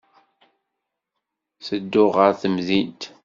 Ttedduɣ ɣer temdint.